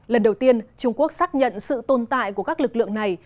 lần đầu tiên trung quốc xác nhận sự tồn tại của các lực lượng này